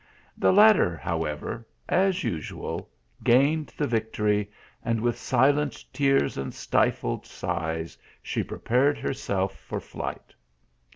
The latter however, as usual, gained the victory, and with* silent tears and stifled sighs she prepared herself for flight.